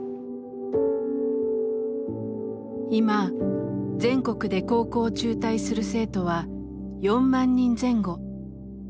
今全国で高校を中退する生徒は４万人前後。